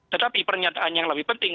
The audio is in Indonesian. tetapi pernyataan yang lebih penting